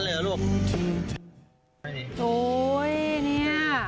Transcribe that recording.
โหววววเฮี้ย